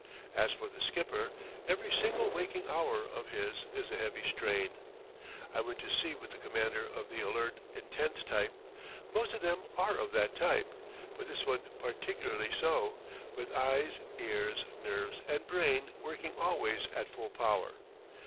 As for the skipper: Every single waking hour of his is a heavy strain. I went to sea with the commander of the alert, intense type. Most of them are of that type, but this one particularly so, with eyes, ears, nerves, and brain working always at full power.